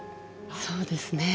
そうですね。